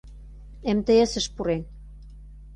МТС-ыш пурен.